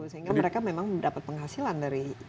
sehingga mereka memang mendapat penghasilan dari